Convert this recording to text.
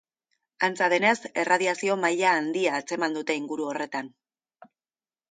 Antza denez, erradiazio maila handia atzeman dute inguru horretan.